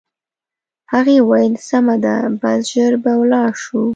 هغې وویل: سمه ده، بس ژر به ولاړ شو.